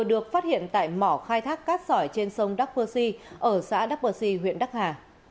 được phát hiện tại mỏ khai thác cát sỏi trên sông đắk phơ si ở xã đắk phơ si huyện đắk hà